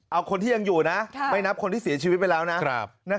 เอาคนที่ยังอยู่นะไม่นับคนที่เสียชีวิตไปแล้วนะ